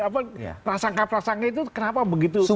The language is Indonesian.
apa prasangka prasangka itu kenapa begitu